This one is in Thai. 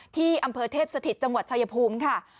ที่อำเภอเทพสถิตจังหวัดชายภูมิค่ะ